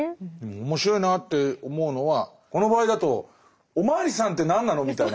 面白いなって思うのはこの場合だとおまわりさんって何なのみたいな。